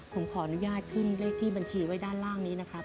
ผมขออนุญาตขึ้นเลขที่บัญชีไว้ด้านล่างนี้นะครับ